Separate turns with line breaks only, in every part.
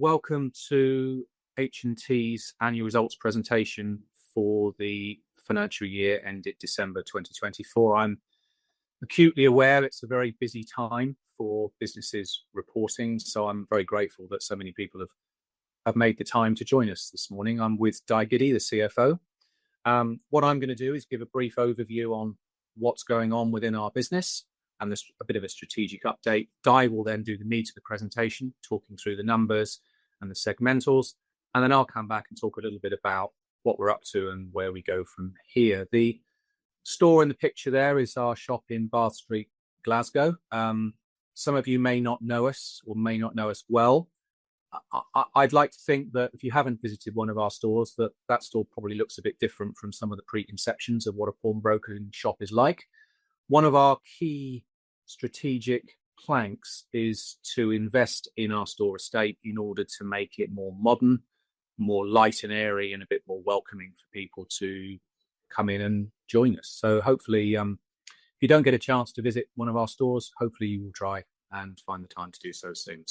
Welcome to H&T's annual results presentation for the financial year ended December 2024. I'm acutely aware it's a very busy time for businesses reporting, so I'm very grateful that so many people have made the time to join us this morning. I'm with Diane Giddy, the CFO. What I'm going to do is give a brief overview on what's going on within our business and a bit of a strategic update. Diane will then do the meat of the presentation, talking through the numbers and the segmentals, and then I'll come back and talk a little bit about what we're up to and where we go from here. The store in the picture there is our shop in Bath Street, Glasgow. Some of you may not know us or may not know us well. I'd like to think that if you haven't visited one of our stores, that that store probably looks a bit different from some of the preconceptions of what a pawnbroking shop is like. One of our key strategic planks is to invest in our store estate in order to make it more modern, more light and airy, and a bit more welcoming for people to come in and join us. Hopefully, if you don't get a chance to visit one of our stores, you will try and find the time to do so soon.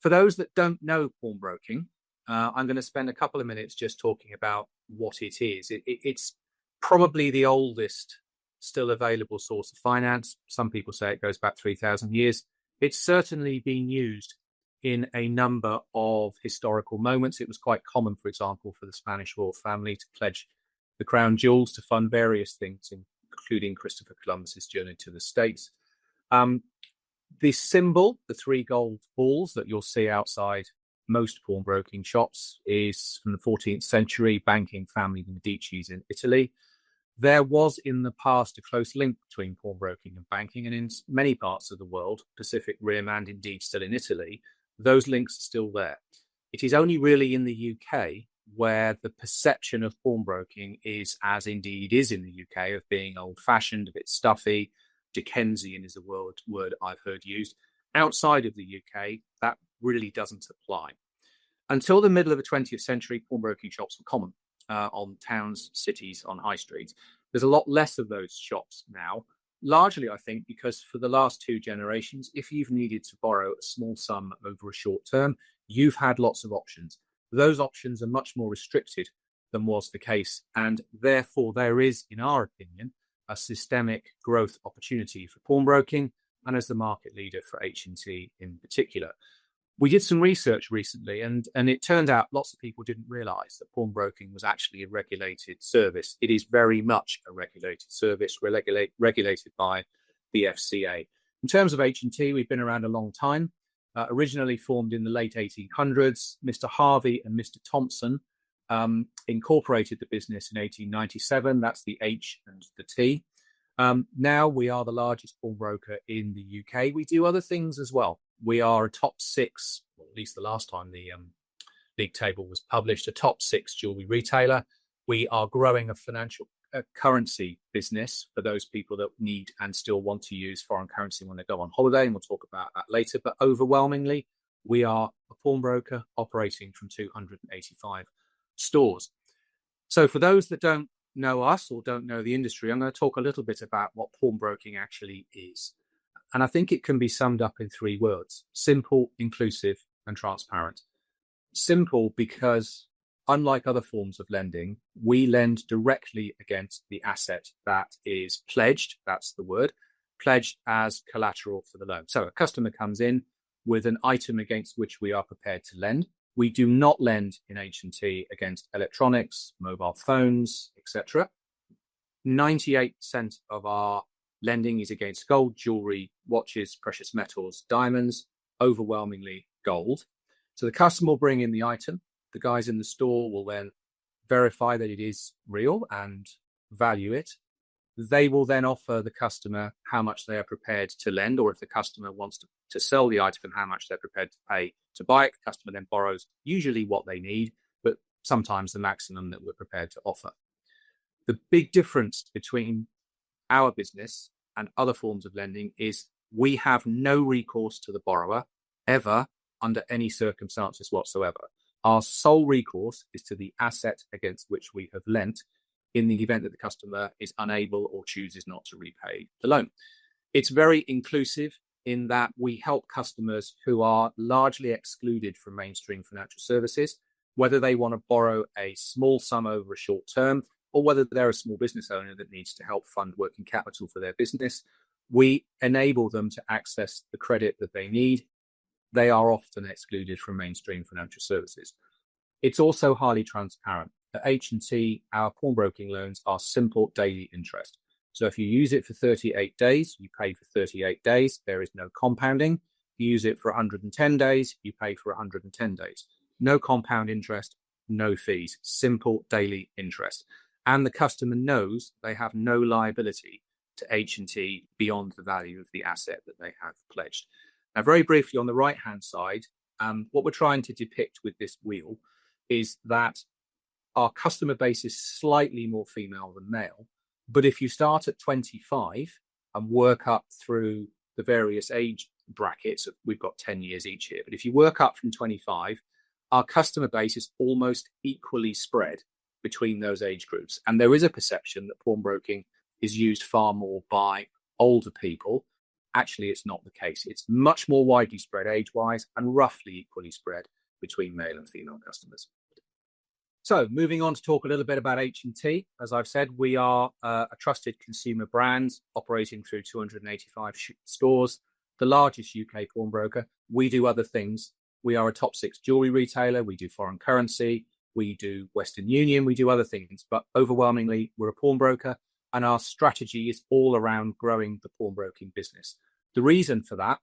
For those that don't know pawnbroking, I'm going to spend a couple of minutes just talking about what it is. It's probably the oldest still available source of finance. Some people say it goes back 3,000 years. It's certainly been used in a number of historical moments. It was quite common, for example, for the Spanish royal family to pledge the crown jewels to fund various things, including Christopher Columbus's journey to the States. The symbol, the three gold balls that you'll see outside most pawnbroking shops, is from the 14th century banking family, the Medicis in Italy. There was in the past a close link between pawnbroking and banking, and in many parts of the world, Pacific Rim and indeed still in Italy, those links are still there. It is only really in the U.K. where the perception of pawnbroking is, as indeed is in the U.K., of being old-fashioned, a bit stuffy, Dickensian is the word I've heard used. Outside of the U.K., that really doesn't apply. Until the middle of the 20th century, pawnbroking shops were common on towns, cities, on high streets. There's a lot less of those shops now, largely I think because for the last two generations, if you've needed to borrow a small sum over a short term, you've had lots of options. Those options are much more restricted than was the case, and therefore there is, in our opinion, a systemic growth opportunity for pawnbroking and as the market leader for H&T in particular. We did some research recently, and it turned out lots of people didn't realize that pawnbroking was actually a regulated service. It is very much a regulated service regulated by the FCA. In terms of H&T, we've been around a long time. Originally formed in the late 1800s, Mr. Harvey and Mr. Thompson incorporated the business in 1897. That's the H and the T. Now we are the largest pawnbroker in the U.K. We do other things as well. We are a top six, or at least the last time the big table was published, a top six jewelry retailer. We are growing a financial currency business for those people that need and still want to use foreign currency when they go on holiday, and we will talk about that later. Overwhelmingly, we are a pawnbroker operating from 285 stores. For those that do not know us or do not know the industry, I am going to talk a little bit about what pawnbroking actually is. I think it can be summed up in three words: simple, inclusive, and transparent. Simple because, unlike other forms of lending, we lend directly against the asset that is pledged, that is the word, pledged as collateral for the loan. A customer comes in with an item against which we are prepared to lend. We do not lend in H&T against electronics, mobile phones, etc. 98% of our lending is against gold, jewelry, watches, precious metals, diamonds, overwhelmingly gold. The customer will bring in the item. The guys in the store will then verify that it is real and value it. They will then offer the customer how much they are prepared to lend, or if the customer wants to sell the item and how much they are prepared to pay to buy it. The customer then borrows usually what they need, but sometimes the maximum that we are prepared to offer. The big difference between our business and other forms of lending is we have no recourse to the borrower ever under any circumstances whatsoever. Our sole recourse is to the asset against which we have lent in the event that the customer is unable or chooses not to repay the loan. It's very inclusive in that we help customers who are largely excluded from mainstream financial services, whether they want to borrow a small sum over a short term or whether they're a small business owner that needs to help fund working capital for their business. We enable them to access the credit that they need. They are often excluded from mainstream financial services. It's also highly transparent. At H&T, our pawnbroking loans are simple daily interest. If you use it for 38 days, you pay for 38 days. There is no compounding. If you use it for 110 days, you pay for 110 days. No compound interest, no fees. Simple daily interest. The customer knows they have no liability to H&T beyond the value of the asset that they have pledged. Now, very briefly, on the right-hand side, what we're trying to depict with this wheel is that our customer base is slightly more female than male. If you start at 25 and work up through the various age brackets, we've got 10 years each here. If you work up from 25, our customer base is almost equally spread between those age groups. There is a perception that pawnbroking is used far more by older people. Actually, it's not the case. It's much more widely spread age-wise and roughly equally spread between male and female customers. Moving on to talk a little bit about H&T. As I've said, we are a trusted consumer brand operating through 285 stores, the largest U.K. pawnbroker. We do other things. We are a top six jewelry retailer. We do foreign currency. We do Western Union. We do other things. Overwhelmingly, we're a pawnbroker, and our strategy is all around growing the pawnbroking business. The reason for that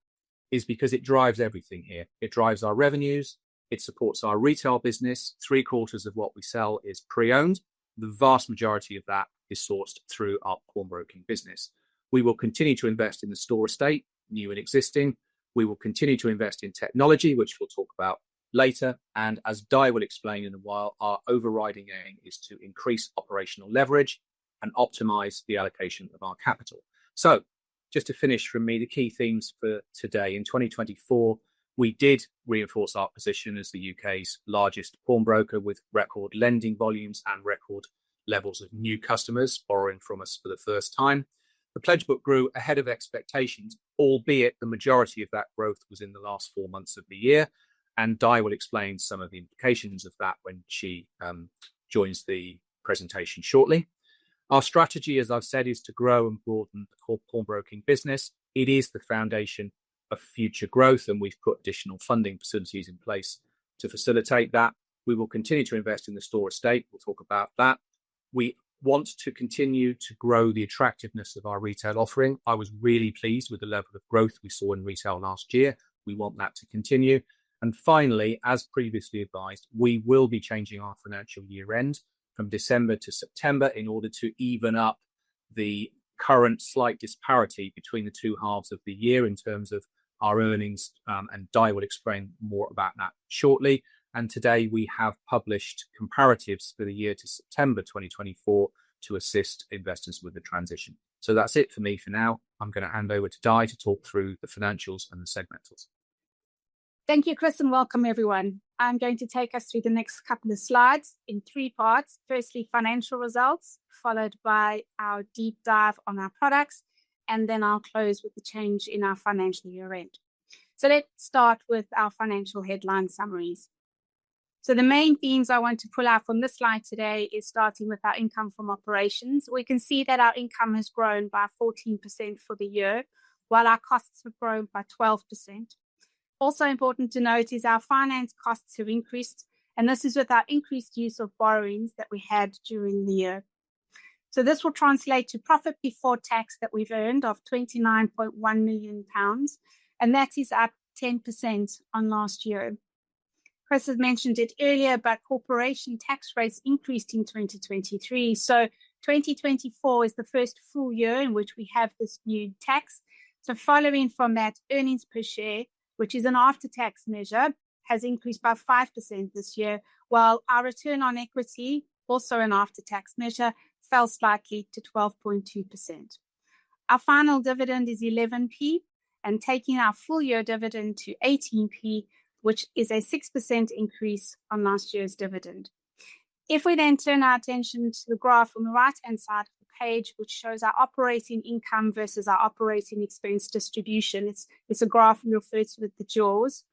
is because it drives everything here. It drives our revenues. It supports our retail business. Three quarters of what we sell is pre-owned. The vast majority of that is sourced through our pawnbroking business. We will continue to invest in the store estate, new and existing. We will continue to invest in technology, which we'll talk about later. As Diane will explain in a while, our overriding aim is to increase operational leverage and optimize the allocation of our capital. Just to finish from me, the key themes for today in 2024, we did reinforce our position as the U.K.'s largest pawnbroker with record lending volumes and record levels of new customers borrowing from us for the first time. The pledge book grew ahead of expectations, albeit the majority of that growth was in the last four months of the year. Diane will explain some of the implications of that when she joins the presentation shortly. Our strategy, as I've said, is to grow and broaden the pawnbroking business. It is the foundation of future growth, and we've put additional funding facilities in place to facilitate that. We will continue to invest in the store estate. We'll talk about that. We want to continue to grow the attractiveness of our retail offering. I was really pleased with the level of growth we saw in retail last year. We want that to continue. Finally, as previously advised, we will be changing our financial year end from December to September in order to even up the current slight disparity between the two halves of the year in terms of our earnings. Diane will explain more about that shortly. Today we have published comparatives for the year to September 2024 to assist investors with the transition. That is it for me for now. I am going to hand over to Diane to talk through the financials and the segmentals.
Thank you, Chris, and welcome, everyone. I'm going to take us through the next couple of slides in three parts. Firstly, financial results, followed by our deep dive on our products, and then I'll close with the change in our financial year end. Let's start with our financial headline summaries. The main themes I want to pull out from this slide today is starting with our income from operations. We can see that our income has grown by 14% for the year, while our costs have grown by 12%. Also important to note is our finance costs have increased, and this is with our increased use of borrowings that we had during the year. This will translate to profit before tax that we've earned of 29.1 million pounds, and that is up 10% on last year. Chris has mentioned it earlier, but corporation tax rates increased in 2023. 2024 is the first full year in which we have this new tax. Following from that, earnings per share, which is an after-tax measure, has increased by 5% this year, while our return on equity, also an after-tax measure, fell slightly to 12.2%. Our final dividend is 0.11, taking our full year dividend to 0.18, which is a 6% increase on last year's dividend. If we then turn our attention to the graph on the right-hand side of the page, which shows our operating income versus our operating expense distribution, it's a graph referred to with the jewels.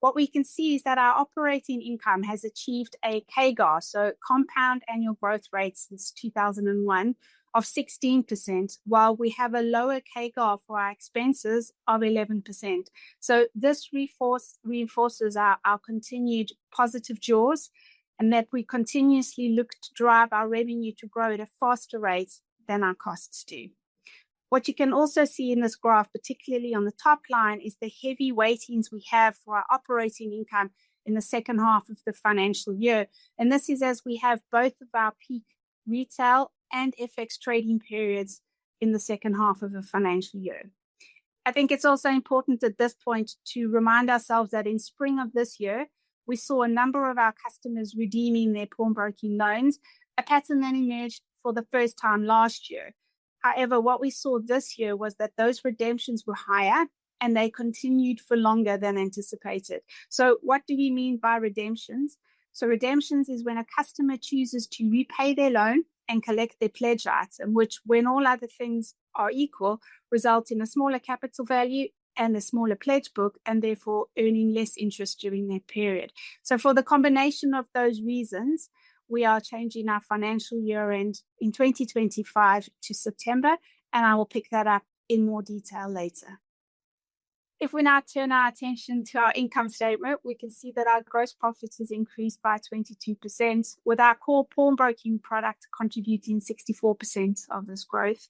What we can see is that our operating income has achieved a CAGR, so compound annual growth rate since 2001, of 16%, while we have a lower CAGR for our expenses of 11%. This reinforces our continued positive jewels and that we continuously look to drive our revenue to grow at a faster rate than our costs do. What you can also see in this graph, particularly on the top line, is the heavy weightings we have for our operating income in the second half of the financial year. This is as we have both of our peak retail and FX trading periods in the second half of a financial year. I think it's also important at this point to remind ourselves that in spring of this year, we saw a number of our customers redeeming their pawnbroking loans, a pattern that emerged for the first time last year. However, what we saw this year was that those redemptions were higher and they continued for longer than anticipated. What do we mean by redemptions? Redemptions is when a customer chooses to repay their loan and collect their pledge item, which when all other things are equal, results in a smaller capital value and a smaller pledge book and therefore earning less interest during that period. For the combination of those reasons, we are changing our financial year end in 2025 to September, and I will pick that up in more detail later. If we now turn our attention to our income statement, we can see that our gross profit has increased by 22%, with our core pawnbroking product contributing 64% of this growth.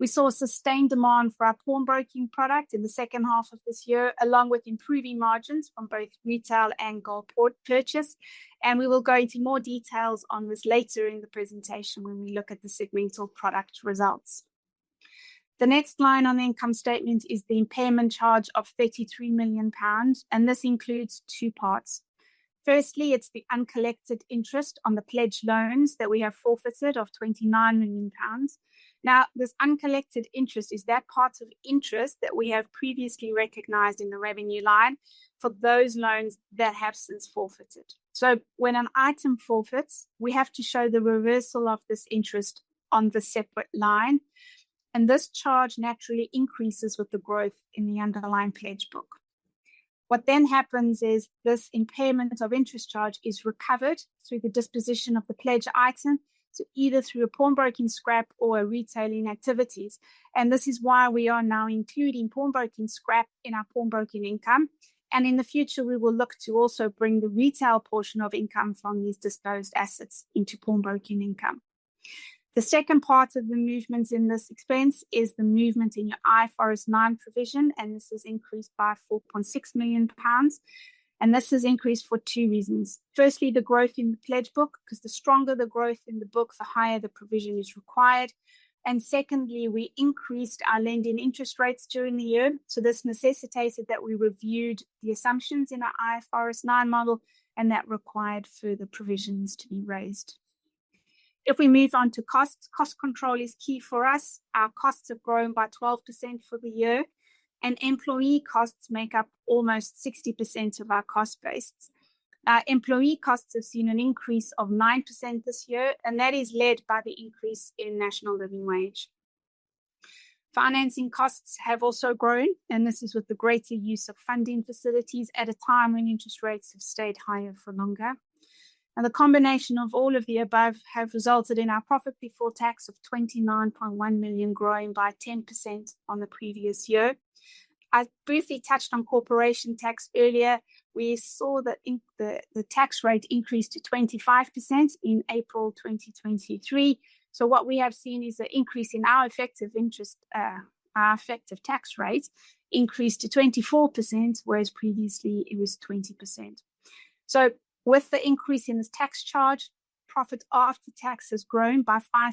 We saw sustained demand for our pawnbroking product in the second half of this year, along with improving margins from both retail and gold purchase. We will go into more details on this later in the presentation when we look at the segmental product results. The next line on the income statement is the impairment charge of 33 million pounds, and this includes two parts. Firstly, it's the uncollected interest on the pledged loans that we have forfeited of 29 million pounds. Now, this uncollected interest is that part of interest that we have previously recognized in the revenue line for those loans that have since forfeited. When an item forfeits, we have to show the reversal of this interest on the separate line. This charge naturally increases with the growth in the underlying pledge book. What then happens is this impairment of interest charge is recovered through the disposition of the pledged item, either through a pawnbroking scrap or a retailing activities. This is why we are now including pawnbroking scrap in our pawnbroking income. In the future, we will look to also bring the retail portion of income from these disposed assets into pawnbroking income. The second part of the movements in this expense is the movement in your IFRS 9 provision, and this has increased by 4.6 million pounds. This has increased for two reasons. Firstly, the growth in the pledge book, because the stronger the growth in the book, the higher the provision is required. Secondly, we increased our lending interest rates during the year. This necessitated that we reviewed the assumptions in our IFRS 9 model, and that required further provisions to be raised. If we move on to costs, cost control is key for us. Our costs have grown by 12% for the year, and employee costs make up almost 60% of our cost base. Employee costs have seen an increase of 9% this year, and that is led by the increase in national living wage. Financing costs have also grown, and this is with the greater use of funding facilities at a time when interest rates have stayed higher for longer. The combination of all of the above has resulted in our profit before tax of 29.1 million growing by 10% on the previous year. I briefly touched on corporation tax earlier. We saw that the tax rate increased to 25% in April 2023. What we have seen is an increase in our effective tax rate to 24%, whereas previously it was 20%. With the increase in this tax charge, profit after tax has grown by 5%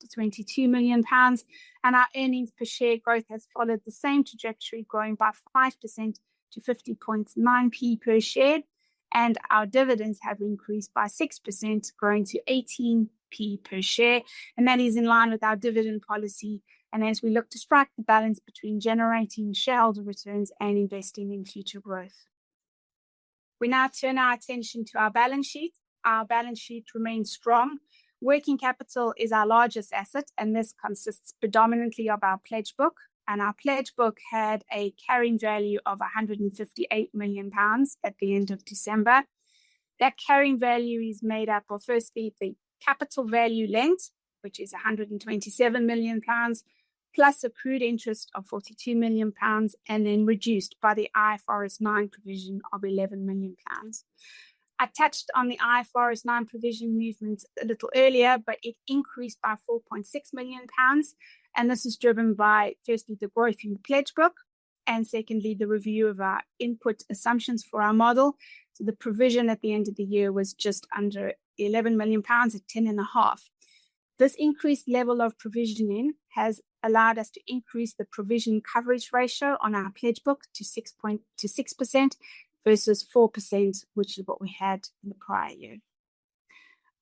to 22 million pounds, and our earnings per share growth has followed the same trajectory, growing by 5% to 50.9p per share. Our dividends have increased by 6%, growing to 18p per share. That is in line with our dividend policy. As we look to strike the balance between generating shareholder returns and investing in future growth, we now turn our attention to our balance sheet. Our balance sheet remains strong. Working capital is our largest asset, and this consists predominantly of our pledge book. Our pledge book had a carrying value of 158 million pounds at the end of December. That carrying value is made up of, firstly, the capital value lent, which is 127 million pounds, plus accrued interest of 42 million pounds, and then reduced by the IFRS 9 provision of 11 million pounds. I touched on the IFRS 9 provision movement a little earlier, but it increased by 4.6 million pounds. This is driven by, firstly, the growth in the pledge book, and secondly, the review of our input assumptions for our model. The provision at the end of the year was just under 11 million pounds at 10.5%. This increased level of provisioning has allowed us to increase the provision coverage ratio on our pledge book to 6.6% versus 4%, which is what we had in the prior year.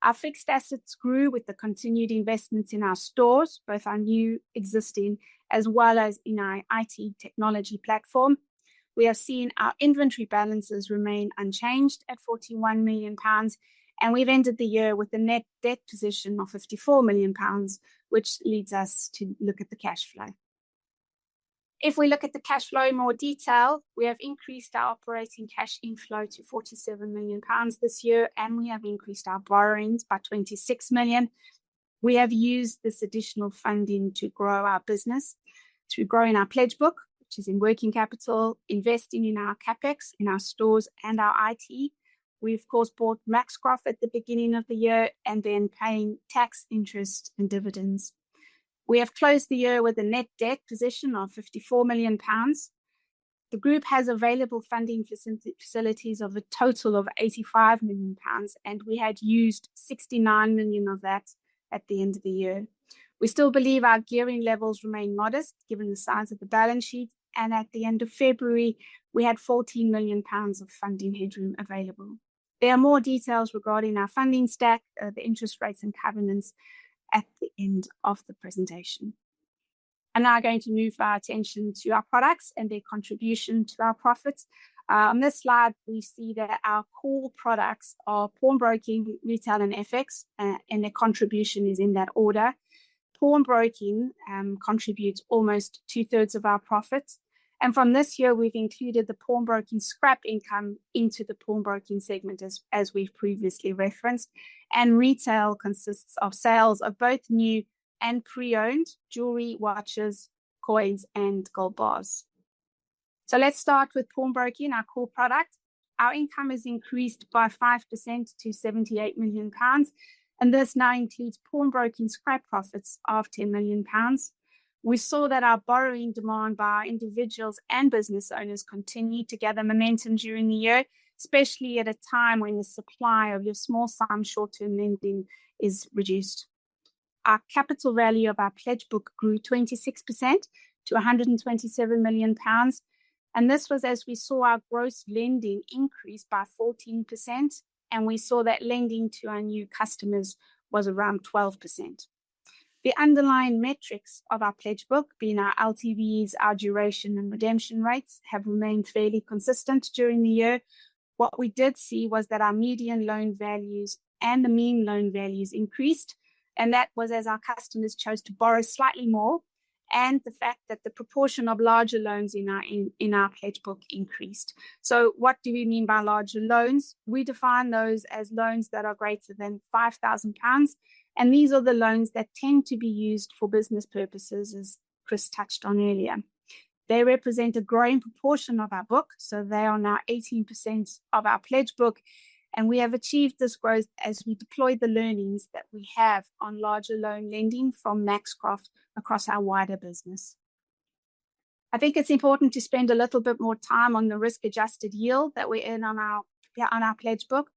Our fixed assets grew with the continued investments in our stores, both our new, existing, as well as in our IT technology platform. We have seen our inventory balances remain unchanged at 41 million pounds, and we've ended the year with a net debt position of 54 million pounds, which leads us to look at the cash flow. If we look at the cash flow in more detail, we have increased our operating cash inflow to 47 million pounds this year, and we have increased our borrowings by 26 million. We have used this additional funding to grow our business through growing our pledge book, which is in working capital, investing in our CapEx, in our stores, and our IT. We, of course, bought Maxcroft at the beginning of the year and then paying tax, interest, and dividends. We have closed the year with a net debt position of 54 million pounds. The group has available funding facilities of a total of 85 million pounds, and we had used 69 million of that at the end of the year. We still believe our gearing levels remain modest given the size of the balance sheet, and at the end of February, we had 14 million pounds of funding headroom available. There are more details regarding our funding stack, the interest rates, and covenants at the end of the presentation. I'm now going to move our attention to our products and their contribution to our profits. On this slide, we see that our core products are pawnbroking, retail, and FX, and their contribution is in that order. Pawnbroking contributes almost two-thirds of our profits. From this year, we've included the pawnbroking scrap income into the pawnbroking segment, as we've previously referenced. Retail consists of sales of both new and pre-owned jewelry, watches, coins, and gold bars. Let's start with pawnbroking, our core product. Our income has increased by 5% to 78 million pounds, and this now includes pawnbroking scrap profits of 10 million pounds. We saw that our borrowing demand by individuals and business owners continued to gather momentum during the year, especially at a time when the supply of your small-sum short-term lending is reduced. Our capital value of our pledge book grew 26% to 127 million pounds, and this was as we saw our gross lending increase by 14%, and we saw that lending to our new customers was around 12%. The underlying metrics of our pledge book, being our LTVs, our duration, and redemption rates, have remained fairly consistent during the year. What we did see was that our median loan values and the mean loan values increased, and that was as our customers chose to borrow slightly more, and the fact that the proportion of larger loans in our pledge book increased. What do we mean by larger loans? We define those as loans that are greater than 5,000 pounds, and these are the loans that tend to be used for business purposes, as Chris touched on earlier. They represent a growing proportion of our book, so they are now 18% of our pledge book, and we have achieved this growth as we deploy the learnings that we have on larger loan lending from Maxcroft across our wider business. I think it's important to spend a little bit more time on the risk-adjusted yield that we earn on our pledge book.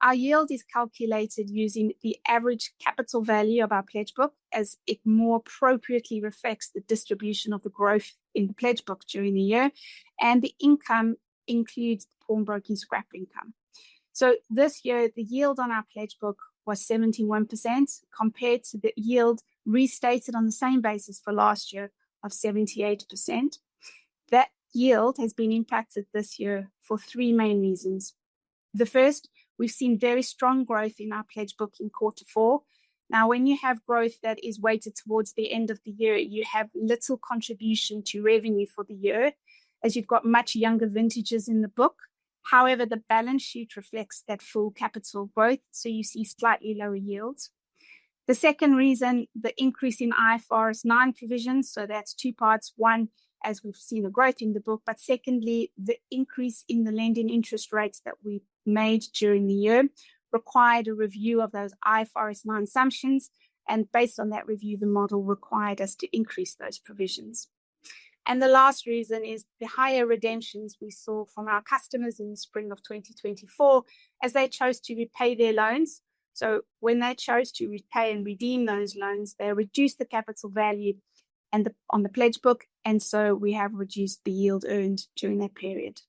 Our yield is calculated using the average capital value of our pledge book as it more appropriately reflects the distribution of the growth in the pledge book during the year, and the income includes the pawnbroking scrap income. This year, the yield on our pledge book was 71% compared to the yield restated on the same basis for last year of 78%. That yield has been impacted this year for three main reasons. The first, we've seen very strong growth in our pledge book in quarter four. Now, when you have growth that is weighted towards the end of the year, you have little contribution to revenue for the year as you've got much younger vintages in the book. However, the balance sheet reflects that full capital growth, so you see slightly lower yields. The second reason, the increase in IFRS 9 provisions, so that's two parts. One, as we've seen the growth in the book, but secondly, the increase in the lending interest rates that we made during the year required a review of those IFRS 9 assumptions, and based on that review, the model required us to increase those provisions. The last reason is the higher redemptions we saw from our customers in the spring of 2024 as they chose to repay their loans. When they chose to repay and redeem those loans, they reduced the capital value on the pledge book, and we have reduced the yield earned during that period.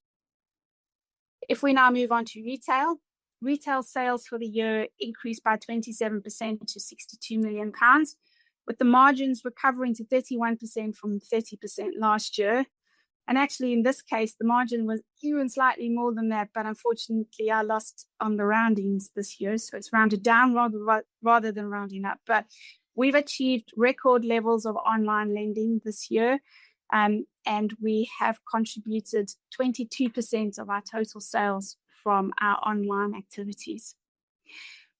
If we now move on to retail, retail sales for the year increased by 27% to 62 million pounds, with the margins recovering to 31% from 30% last year. Actually, in this case, the margin was even slightly more than that, but unfortunately, I lost on the roundings this year, so it is rounded down rather than rounding up. We have achieved record levels of online lending this year, and we have contributed 22% of our total sales from our online activities.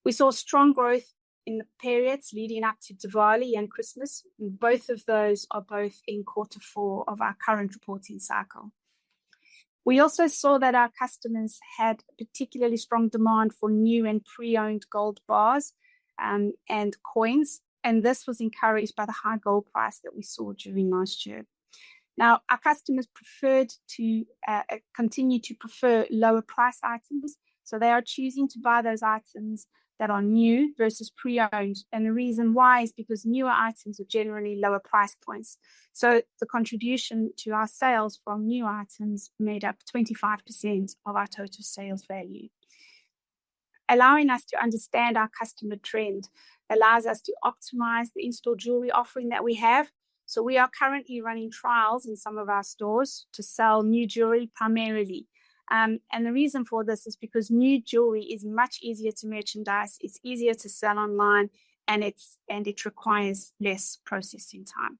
We saw strong growth in the periods leading up to Diwali and Christmas, and both of those are both in quarter four of our current reporting cycle. We also saw that our customers had particularly strong demand for new and pre-owned gold bars and coins, and this was encouraged by the high gold price that we saw during last year. Now, our customers preferred to continue to prefer lower price items, so they are choosing to buy those items that are new versus pre-owned, and the reason why is because newer items are generally lower price points. The contribution to our sales from new items made up 25% of our total sales value. Allowing us to understand our customer trend allows us to optimize the in-store jewelry offering that we have. We are currently running trials in some of our stores to sell new jewelry primarily. The reason for this is because new jewelry is much easier to merchandise, it is easier to sell online, and it requires less processing time.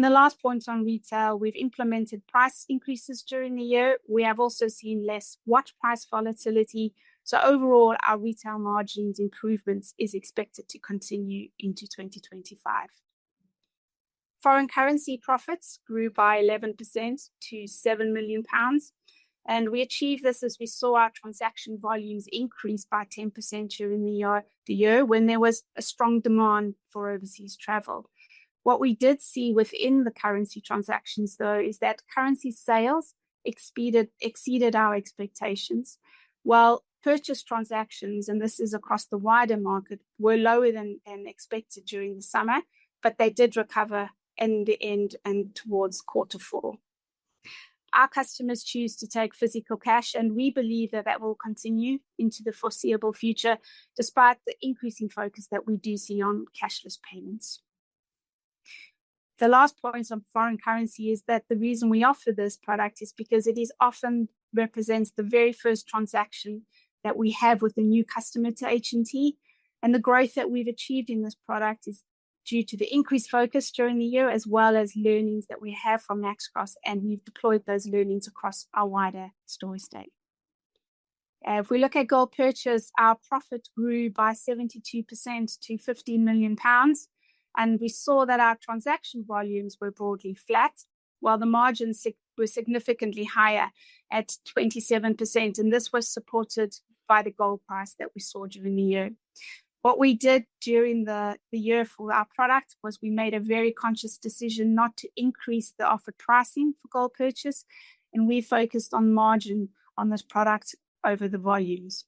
The last point on retail, we have implemented price increases during the year. We have also seen less watch price volatility. Overall, our retail margins improvement is expected to continue into 2025. Foreign currency profits grew by 11% to 7 million pounds, and we achieved this as we saw our transaction volumes increase by 10% during the year when there was a strong demand for overseas travel. What we did see within the currency transactions, though, is that currency sales exceeded our expectations, while purchase transactions, and this is across the wider market, were lower than expected during the summer, but they did recover in the end and towards quarter four. Our customers choose to take physical cash, and we believe that that will continue into the foreseeable future despite the increasing focus that we do see on cashless payments. The last point on foreign currency is that the reason we offer this product is because it often represents the very first transaction that we have with a new customer to H&T, and the growth that we've achieved in this product is due to the increased focus during the year, as well as learnings that we have from Maxcroft, and we've deployed those learnings across our wider store estate. If we look at gold purchase, our profit grew by 72% to 15 million pounds, and we saw that our transaction volumes were broadly flat, while the margins were significantly higher at 27%, and this was supported by the gold price that we saw during the year. What we did during the year for our product was we made a very conscious decision not to increase the offer pricing for gold purchase, and we focused on margin on this product over the volumes.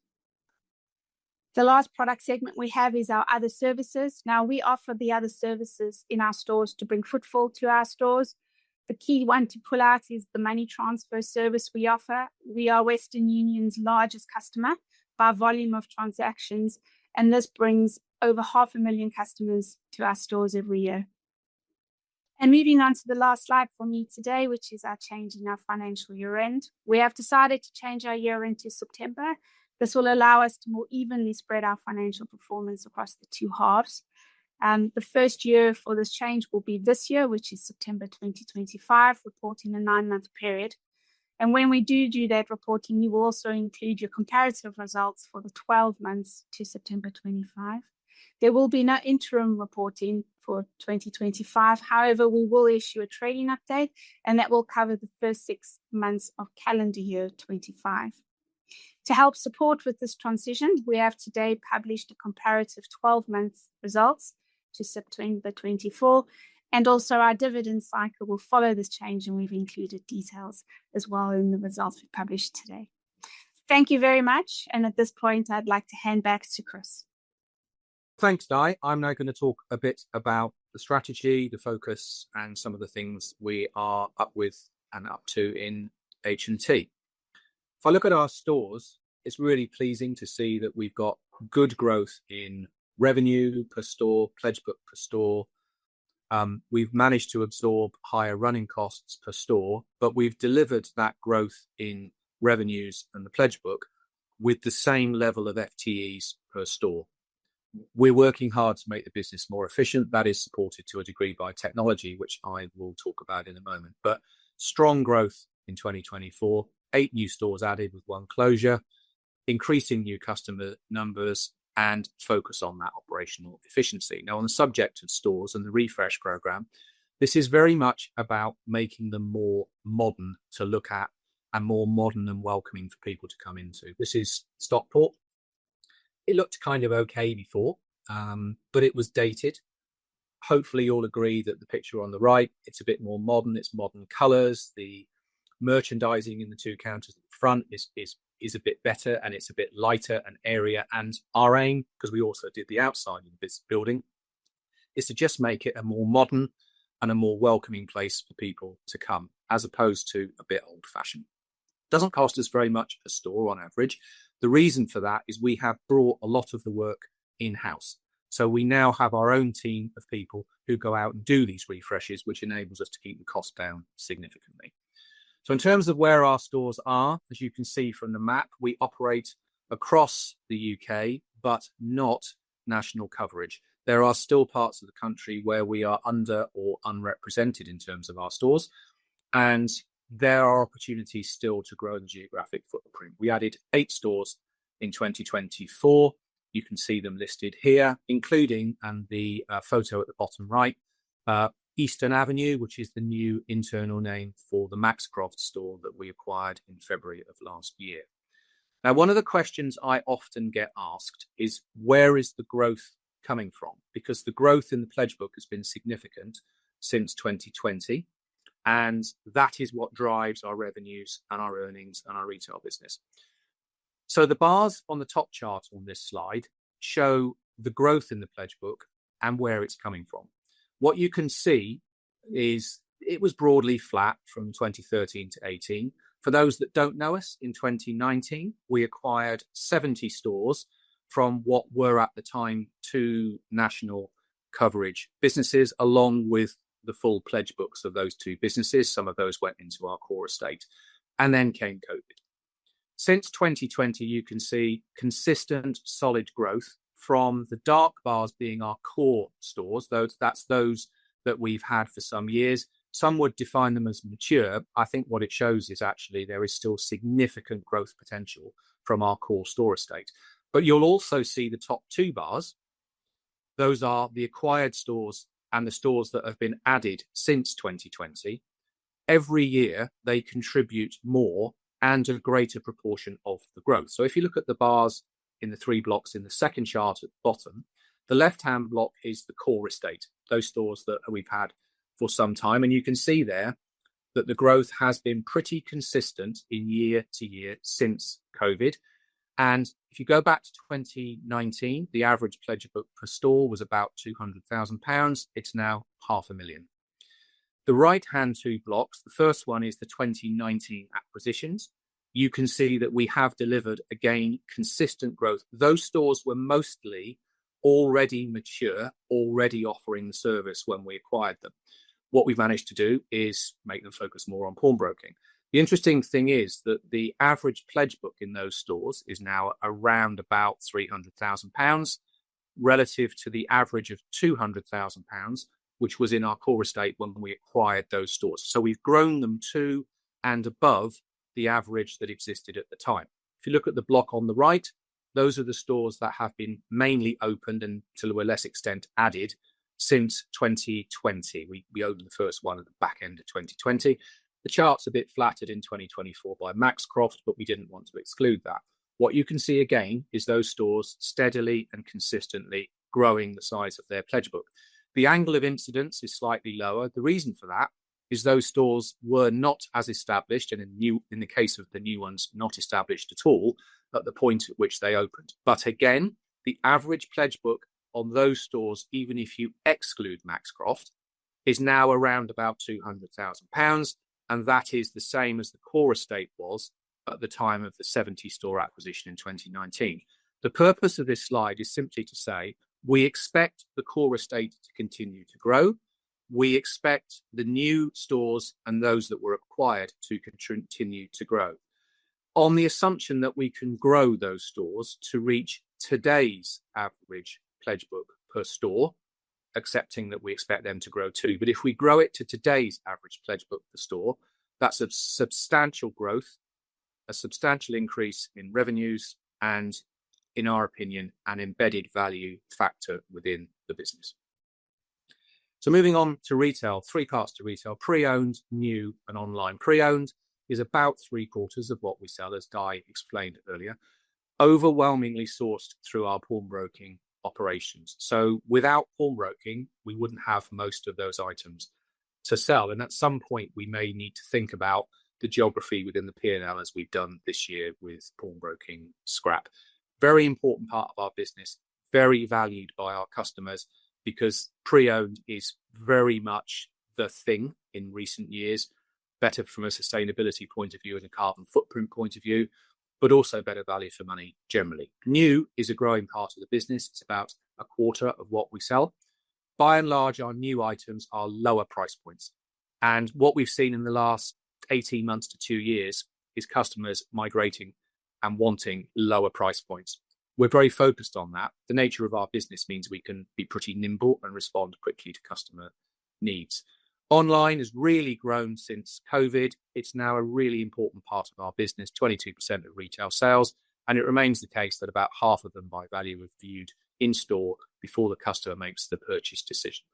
The last product segment we have is our other services. Now, we offer the other services in our stores to bring footfall to our stores. The key one to pull out is the money transfer service we offer. We are Western Union's largest customer by volume of transactions, and this brings over 500,000 customers to our stores every year. Moving on to the last slide for me today, which is our change in our financial year-end, we have decided to change our year-end to September. This will allow us to more evenly spread our financial performance across the two halves. The first year for this change will be this year, which is September 2025, reporting a nine-month period. When we do do that reporting, we will also include your comparative results for the 12 months to September 2025. There will be no interim reporting for 2025. However, we will issue a trading update, and that will cover the first six months of calendar year 2025. To help support with this transition, we have today published a comparative 12-month results to September 2024, and also our dividend cycle will follow this change, and we've included details as well in the results we published today. Thank you very much, and at this point, I'd like to hand back to Chris.
Thanks, Diane. I'm now going to talk a bit about the strategy, the focus, and some of the things we are up with and up to in H&T. If I look at our stores, it's really pleasing to see that we've got good growth in revenue per store, pledge book per store. We've managed to absorb higher running costs per store, but we've delivered that growth in revenues and the pledge book with the same level of FTEs per store. We're working hard to make the business more efficient. That is supported to a degree by technology, which I will talk about in a moment, but strong growth in 2024, eight new stores added with one closure, increasing new customer numbers, and focus on that operational efficiency. Now, on the subject of stores and the refresh program, this is very much about making them more modern to look at and more modern and welcoming for people to come into. This is Stockport. It looked kind of okay before, but it was dated. Hopefully, you'll agree that the picture on the right, it's a bit more modern. It's modern colors. The merchandising in the two counters at the front is a bit better, and it's a bit lighter and airier. Our aim, because we also did the outside of this building, is to just make it a more modern and a more welcoming place for people to come, as opposed to a bit old-fashioned. It does not cost us very much per store on average. The reason for that is we have brought a lot of the work in-house. We now have our own team of people who go out and do these refreshes, which enables us to keep the cost down significantly. In terms of where our stores are, as you can see from the map, we operate across the U.K., but not national coverage. There are still parts of the country where we are under or unrepresented in terms of our stores, and there are opportunities still to grow the geographic footprint. We added eight stores in 2024. You can see them listed here, including the photo at the bottom right, Eastern Avenue, which is the new internal name for the Maxcroft store that we acquired in February of last year. One of the questions I often get asked is, where is the growth coming from? Because the growth in the pledge book has been significant since 2020, and that is what drives our revenues and our earnings and our retail business. The bars on the top chart on this slide show the growth in the pledge book and where it is coming from. What you can see is it was broadly flat from 2013 to 2018. For those that do not know us, in 2019, we acquired 70 stores from what were at the time two national coverage businesses, along with the full pledge books of those two businesses. Some of those went into our core estate, and then came COVID. Since 2020, you can see consistent solid growth from the dark bars being our core stores, though that is those that we have had for some years. Some would define them as mature. I think what it shows is actually there is still significant growth potential from our core store estate. You will also see the top two bars. Those are the acquired stores and the stores that have been added since 2020. Every year, they contribute more and a greater proportion of the growth. If you look at the bars in the three blocks in the second chart at the bottom, the left-hand block is the core estate, those stores that we have had for some time. You can see there that the growth has been pretty consistent year to year since COVID. If you go back to 2019, the average pledge book per store was about 200,000 pounds. It is now 500,000. The right-hand two blocks, the first one is the 2019 acquisitions. You can see that we have delivered, again, consistent growth. Those stores were mostly already mature, already offering the service when we acquired them. What we've managed to do is make them focus more on pawnbroking. The interesting thing is that the average pledge book in those stores is now around about 300,000 pounds relative to the average of 200,000 pounds, which was in our core estate when we acquired those stores. We have grown them to and above the average that existed at the time. If you look at the block on the right, those are the stores that have been mainly opened and to a lesser extent added since 2020. We opened the first one at the back end of 2020. The chart is a bit flattered in 2024 by Maxcroft, but we did not want to exclude that. What you can see again is those stores steadily and consistently growing the size of their pledge book. The angle of incidence is slightly lower. The reason for that is those stores were not as established, and in the case of the new ones, not established at all at the point at which they opened. Again, the average pledge book on those stores, even if you exclude Maxcroft, is now around about 200,000 pounds, and that is the same as the core estate was at the time of the 70-store acquisition in 2019. The purpose of this slide is simply to say we expect the core estate to continue to grow. We expect the new stores and those that were acquired to continue to grow. On the assumption that we can grow those stores to reach today's average pledge book per store, accepting that we expect them to grow too, if we grow it to today's average pledge book per store, that's a substantial growth, a substantial increase in revenues, and in our opinion, an embedded value factor within the business. Moving on to retail, three parts to retail, pre-owned, new, and online. Pre-owned is about three quarters of what we sell, as Diane explained earlier, overwhelmingly sourced through our pawnbroking operations. Without pawnbroking, we wouldn't have most of those items to sell. At some point, we may need to think about the geography within the P&L, as we've done this year with pawnbroking Scrap. Very important part of our business, very valued by our customers because pre-owned is very much the thing in recent years, better from a sustainability point of view and a carbon footprint point of view, but also better value for money generally. New is a growing part of the business. It is about a quarter of what we sell. By and large, our new items are lower price points. What we have seen in the last 18 months to two years is customers migrating and wanting lower price points. We are very focused on that. The nature of our business means we can be pretty nimble and respond quickly to customer needs. Online has really grown since COVID. It is now a really important part of our business, 22% of retail sales. It remains the case that about half of them by value are viewed in store before the customer makes the purchase decision.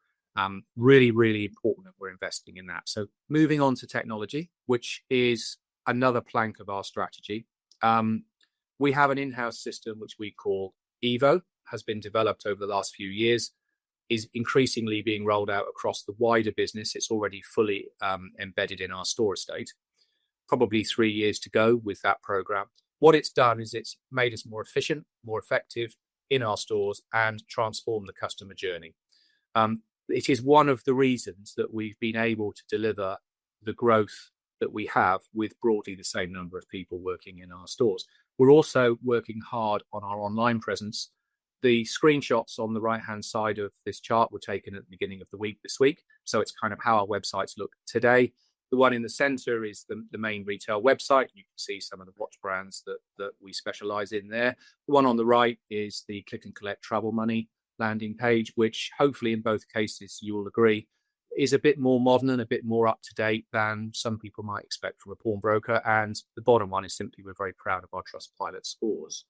Really, really important that we're investing in that. Moving on to technology, which is another plank of our strategy. We have an in-house system which we call Evo, has been developed over the last few years, is increasingly being rolled out across the wider business. It's already fully embedded in our store estate. Probably three years to go with that program. What it's done is it's made us more efficient, more effective in our stores and transformed the customer journey. It is one of the reasons that we've been able to deliver the growth that we have with broadly the same number of people working in our stores. We're also working hard on our online presence. The screenshots on the right-hand side of this chart were taken at the beginning of the week this week. It is kind of how our websites look today. The one in the center is the main retail website. You can see some of the watch brands that we specialize in there. The one on the right is the Click and Collect Travel Money landing page, which hopefully in both cases, you will agree, is a bit more modern and a bit more up to date than some people might expect from a pawnbroker. The bottom one is simply we are very proud of our Trustpilot scores.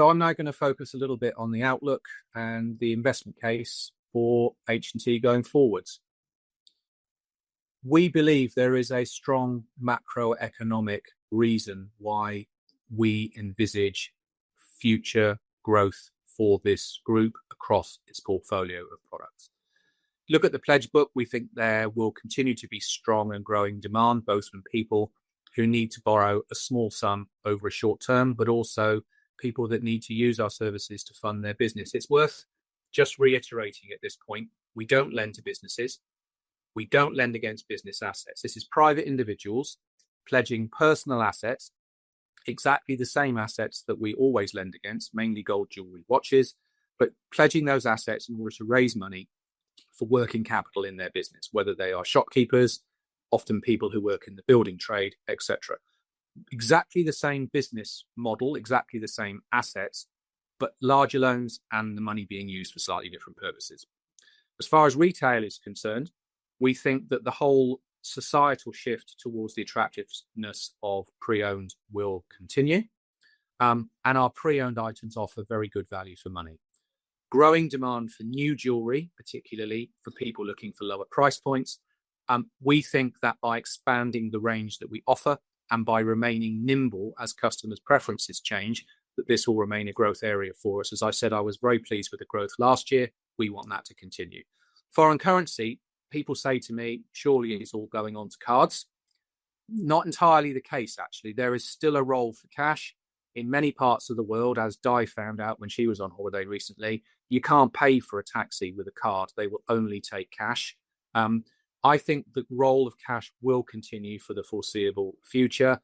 I am now going to focus a little bit on the outlook and the investment case for H&T going forwards. We believe there is a strong macroeconomic reason why we envisage future growth for this group across its portfolio of products. Look at the pledge book. We think there will continue to be strong and growing demand, both from people who need to borrow a small sum over a short term, but also people that need to use our services to fund their business. It's worth just reiterating at this point, we don't lend to businesses. We don't lend against business assets. This is private individuals pledging personal assets, exactly the same assets that we always lend against, mainly gold jewelry, watches, but pledging those assets in order to raise money for working capital in their business, whether they are shopkeepers, often people who work in the building trade, etc. Exactly the same business model, exactly the same assets, but larger loans and the money being used for slightly different purposes. As far as retail is concerned, we think that the whole societal shift towards the attractiveness of pre-owned will continue. Our pre-owned items offer very good value for money. Growing demand for new jewelry, particularly for people looking for lower price points. We think that by expanding the range that we offer and by remaining nimble as customers' preferences change, this will remain a growth area for us. As I said, I was very pleased with the growth last year. We want that to continue. Foreign currency, people say to me, surely it's all going onto cards. Not entirely the case, actually. There is still a role for cash in many parts of the world, as Diane found out when she was on holiday recently. You can't pay for a taxi with a card. They will only take cash. I think the role of cash will continue for the foreseeable future.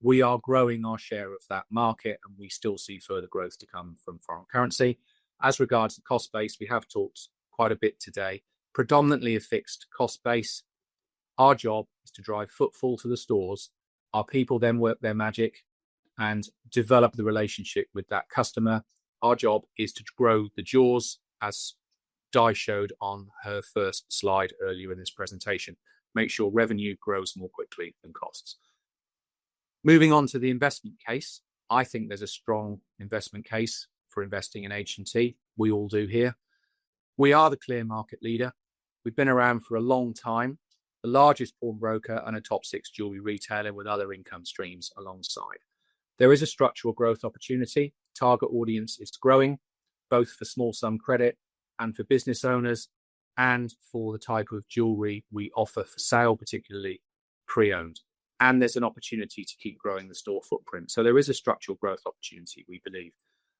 We are growing our share of that market, and we still see further growth to come from foreign currency. As regards to cost base, we have talked quite a bit today, predominantly a fixed cost base. Our job is to drive footfall to the stores. Our people then work their magic and develop the relationship with that customer. Our job is to grow the jaws, as Diane showed on her first slide earlier in this presentation, make sure revenue grows more quickly than costs. Moving on to the investment case, I think there is a strong investment case for investing in H&T. We all do here. We are the clear market leader. We have been around for a long time, the largest pawnbroker and a top six jewelry retailer with other income streams alongside. There is a structural growth opportunity. Target audience is growing, both for small sum credit and for business owners and for the type of jewelry we offer for sale, particularly pre-owned. There is an opportunity to keep growing the store footprint. There is a structural growth opportunity, we believe.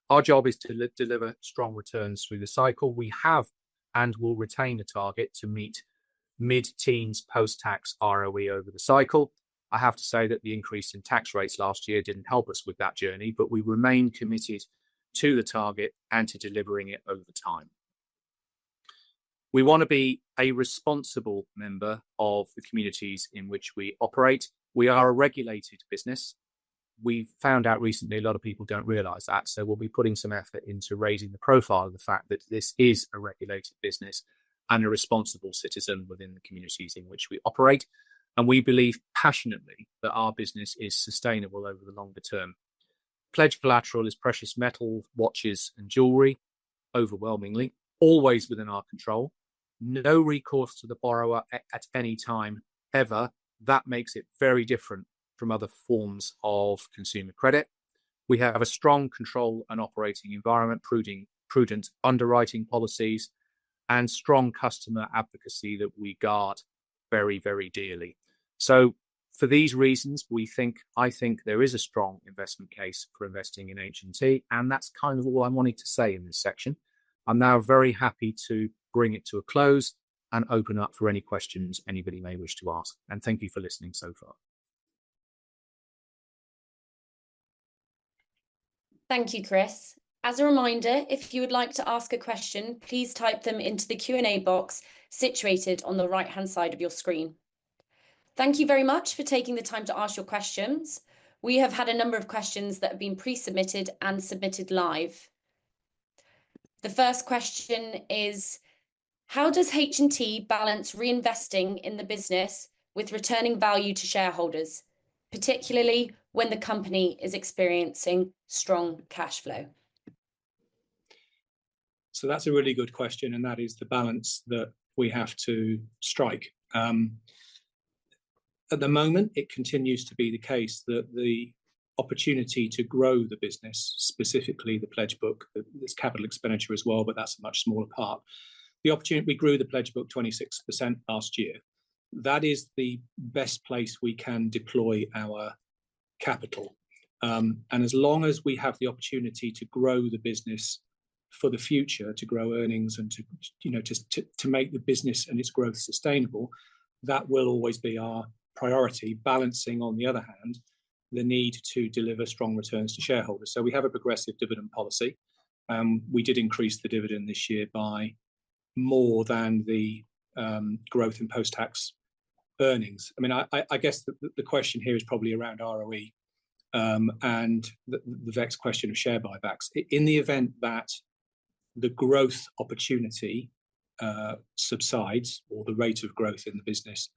Our job is to deliver strong returns through the cycle. We have and will retain a target to meet mid-teens post-tax ROE over the cycle. I have to say that the increase in tax rates last year did not help us with that journey, but we remain committed to the target and to delivering it over time. We want to be a responsible member of the communities in which we operate. We are a regulated business. We have found out recently a lot of people do not realize that. We will be putting some effort into raising the profile of the fact that this is a regulated business and a responsible citizen within the communities in which we operate. We believe passionately that our business is sustainable over the longer term. Pledge collateral is precious metals, watches, and jewelry, overwhelmingly always within our control. No recourse to the borrower at any time ever. That makes it very different from other forms of consumer credit. We have a strong control and operating environment, prudent underwriting policies, and strong customer advocacy that we guard very, very dearly. For these reasons, we think, I think there is a strong investment case for investing in H&T, and that is kind of all I am wanting to say in this section. I am now very happy to bring it to a close and open up for any questions anybody may wish to ask. Thank you for listening so far.
Thank you, Chris. As a reminder, if you would like to ask a question, please type them into the Q&A box situated on the right-hand side of your screen. Thank you very much for taking the time to ask your questions. We have had a number of questions that have been pre-submitted and submitted live. The first question is, how does H&T balance reinvesting in the business with returning value to shareholders, particularly when the company is experiencing strong cash flow?
That is a really good question, and that is the balance that we have to strike. At the moment, it continues to be the case that the opportunity to grow the business, specifically the pledge book, there is capital expenditure as well, but that is a much smaller part. The opportunity, we grew the pledge book 26% last year. That is the best place we can deploy our capital. As long as we have the opportunity to grow the business for the future, to grow earnings and to, you know, to make the business and its growth sustainable, that will always be our priority. Balancing, on the other hand, the need to deliver strong returns to shareholders. We have a progressive dividend policy. We did increase the dividend this year by more than the growth in post-tax earnings. I mean, I guess the question here is probably around ROE and the next question of share buybacks. In the event that the growth opportunity subsides or the rate of growth in the business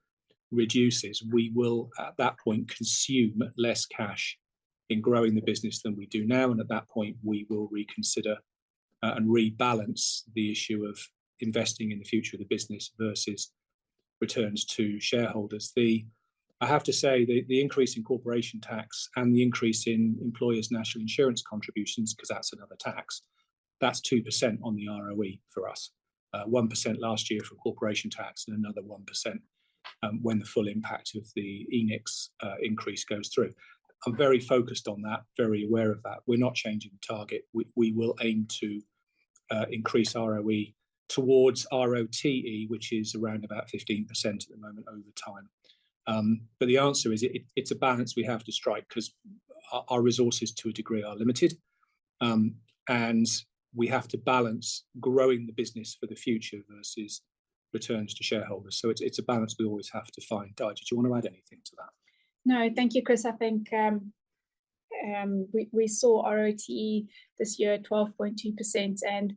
reduces, we will at that point consume less cash in growing the business than we do now. At that point, we will reconsider and rebalance the issue of investing in the future of the business versus returns to shareholders. I have to say the increase in corporation tax and the increase in employers' national insurance contributions, because that's another tax, that's 2% on the ROE for us, 1% last year for corporation tax and another 1% when the full impact of the ENICs increase goes through. I'm very focused on that, very aware of that. We're not changing the target. We will aim to increase ROE towards ROTE, which is around about 15% at the moment over time. The answer is it's a balance we have to strike because our resources to a degree are limited. We have to balance growing the business for the future versus returns to shareholders. It's a balance we always have to find. Diane, did you want to add anything to that?
No, thank you, Chris. I think we saw ROTE this year, 12.2%.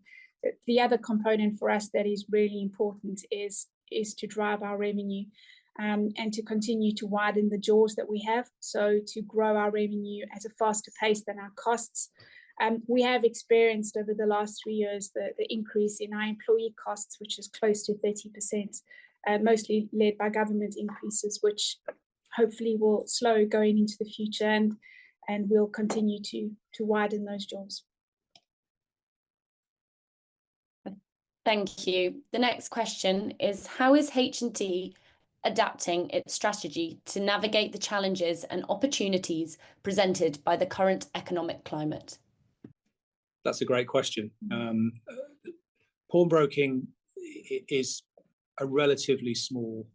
The other component for us that is really important is to drive our revenue and to continue to widen the jaws that we have. To grow our revenue at a faster pace than our costs. We have experienced over the last three years the increase in our employee costs, which is close to 30%, mostly led by government increases, which hopefully will slow going into the future and we'll continue to widen those jaws.
Thank you. The next question is, how is H&T adapting its strategy to navigate the challenges and opportunities presented by the current economic climate?
That's a great question. Pawnbroking is a relatively small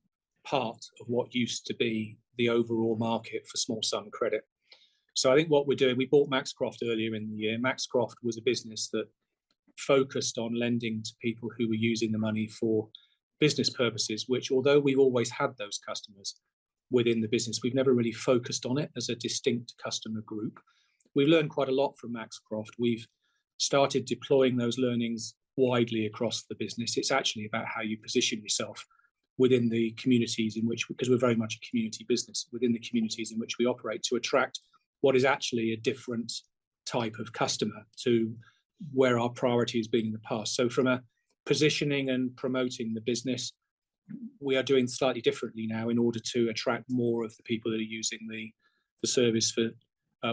part of what used to be the overall market for small sum credit. I think what we're doing, we bought Maxcroft earlier in the year. Maxcroft was a business that focused on lending to people who were using the money for business purposes, which, although we've always had those customers within the business, we've never really focused on it as a distinct customer group. We've learned quite a lot from Maxcroft. We've started deploying those learning s widely across the business. It's actually about how you position yourself within the communities in which, because we're very much a community business, within the communities in which we operate to attract what is actually a different type of customer to where our priority has been in the past. From a positioning and promoting the business, we are doing slightly differently now in order to attract more of the people that are using the service for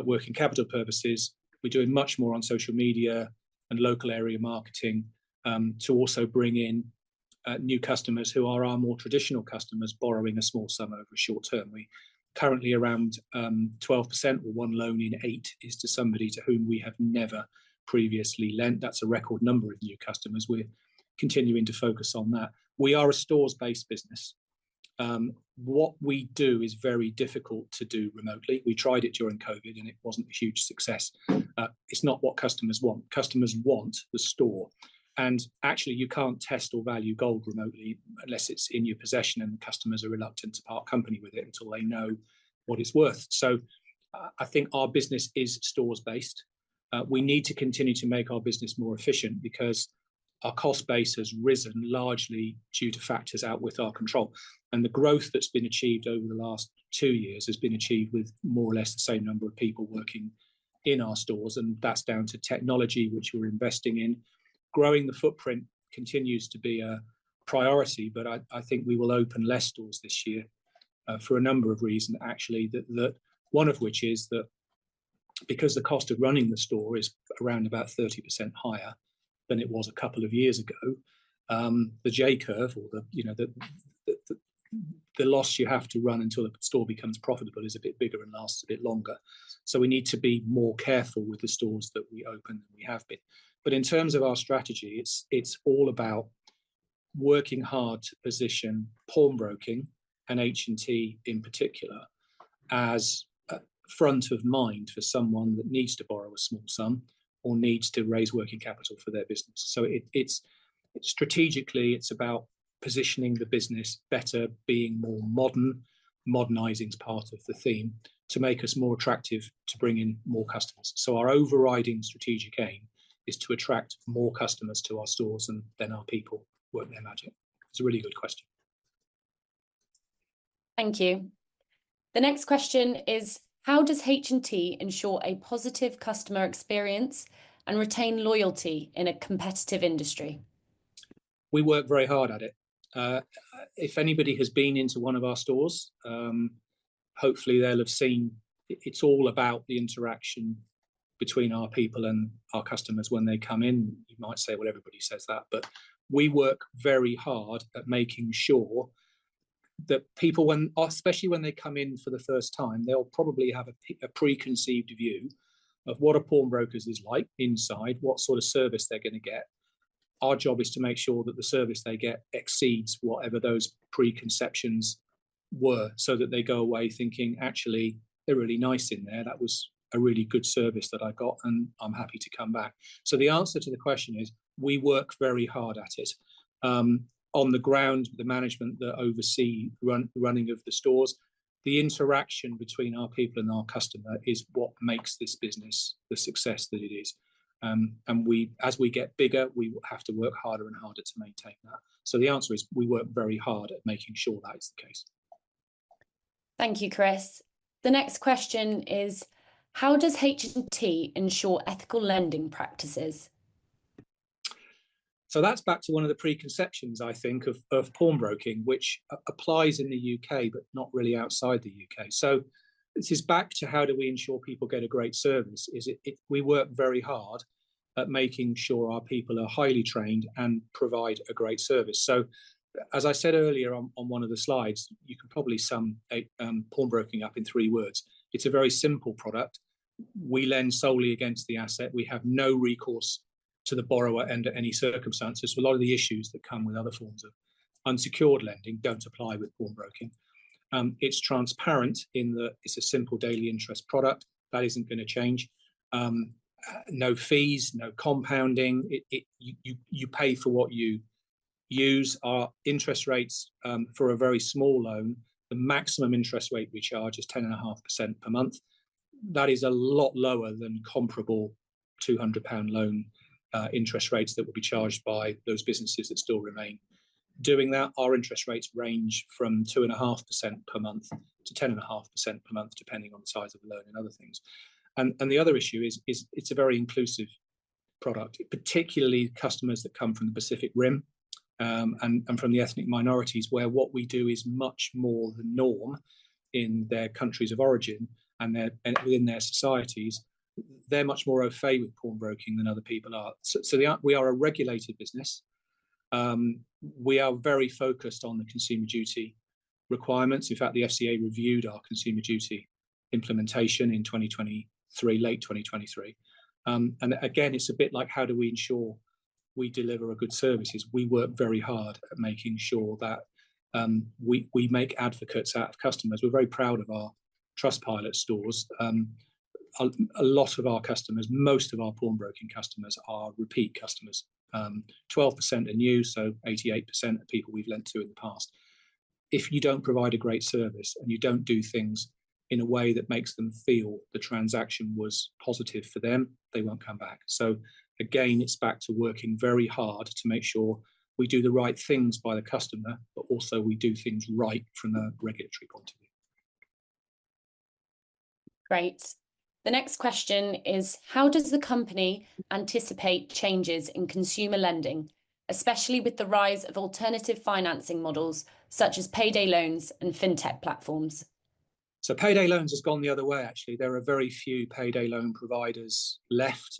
working capital purposes. We're doing much more on social media and local area marketing to also bring in new customers who are our more traditional customers borrowing a small sum over a short term. Currently, around 12% or one loan in eight is to somebody to whom we have never previously lent. That's a record number of new customers. We're continuing to focus on that. We are a stores-based business. What we do is very difficult to do remotely. We tried it during COVID, and it wasn't a huge success. It's not what customers want. Customers want the store. Actually, you can't test or value gold remotely unless it's in your possession and customers are reluctant to part company with it until they know what it's worth. I think our business is stores-based. We need to continue to make our business more efficient because our cost base has risen largely due to factors outwith our control. The growth that has been achieved over the last two years has been achieved with more or less the same number of people working in our stores. That is down to technology, which we are investing in. Growing the footprint continues to be a priority. I think we will open fewer stores this year for a number of reasons, actually, one of which is that because the cost of running the store is around about 30% higher than it was a couple of years ago, the J curve or the loss you have to run until a store becomes profitable is a bit bigger and lasts a bit longer. We need to be more careful with the stores that we open than we have been. In terms of our strategy, it's all about working hard to position pawnbroking and H&T in particular as front of mind for someone that needs to borrow a small sum or needs to raise working capital for their business. Strategically, it's about positioning the business better, being more modern, modernizing is part of the theme to make us more attractive to bring in more customers. Our overriding strategic aim is to attract more customers to our stores, then our people work their magic. It's a really good question. Thank you. The next question is, how does H&T ensure a positive customer experience and retain loyalty in a competitive industry? We work very hard at it. If anybody has been into one of our stores, hopefully they'll have seen it's all about the interaction between our people and our customers when they come in. You might say, well, everybody says that, but we work very hard at making sure that people, especially when they come in for the first time, they'll probably have a preconceived view of what a pawnbroker's is like inside, what sort of service they're going to get. Our job is to make sure that the service they get exceeds whatever those preconceptions were so that they go away thinking, actually, they're really nice in there. That was a really good service that I got, and I'm happy to come back. The answer to the question is we work very hard at it. On the ground, the management that oversee running of the stores, the interaction between our people and our customer is what makes this business the success that it is. As we get bigger, we will have to work harder and harder to maintain that. The answer is we work very hard at making sure that is the case.
Thank you, Chris. The next question is, how does H&T ensure ethical lending practices?
That is back to one of the preconceptions, I think, of pawnbroking, which applies in the U.K., but not really outside the U.K. This is back to how do we ensure people get a great service? We work very hard at making sure our people are highly trained and provide a great service. As I said earlier on one of the slides, you can probably sum pawnbroking up in three words. It is a very simple product. We lend solely against the asset. We have no recourse to the borrower under any circumstances. A lot of the issues that come with other forms of unsecured lending do not apply with pawnbroking. It is transparent in that it is a simple daily interest product. That isn't going to change. No fees, no compounding. You pay for what you use. Our interest rates for a very small loan, the maximum interest rate we charge is 10.5% per month. That is a lot lower than comparable 200 pound loan interest rates that will be charged by those businesses that still remain. Doing that, our interest rates range from 2.5% per month to 10.5% per month, depending on the size of the loan and other things. The other issue is it's a very inclusive product, particularly customers that come from the Pacific Rim and from the ethnic minorities, where what we do is much more the norm in their countries of origin and within their societies. They're much more au fait with pawnbroking than other people are. We are a regulated business. We are very focused on the Consumer Duty requirements. In fact, the FCA reviewed our Consumer Duty implementation in 2023, late 2023. It's a bit like how do we ensure we deliver a good service? We work very hard at making sure that we make advocates out of customers. We're very proud of our Trustpilot stores. A lot of our customers, most of our pawnbroking customers are repeat customers. 12% are new, so 88% of people we've lent to in the past. If you don't provide a great service and you don't do things in a way that makes them feel the transaction was positive for them, they won't come back. It's back to working very hard to make sure we do the right things by the customer, but also we do things right from a regulatory point of view.
Great. The next question is, how does the company anticipate changes in consumer lending, especially with the rise of alternative financing models such as payday loans and fintech platforms?
Payday loans has gone the other way, actually. There are very few payday loan providers left.